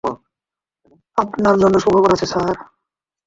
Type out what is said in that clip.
আপনার জন্য সুখবর আছে, স্যার।